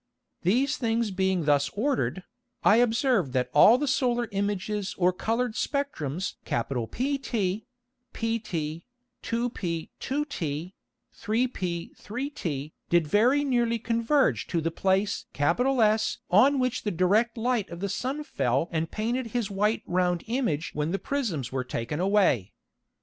These things being thus ordered, I observed that all the solar Images or coloured Spectrums PT, pt, 2p 2t, 3p 3t did very nearly converge to the place S on which the direct Light of the Sun fell and painted his white round Image when the Prisms were taken away.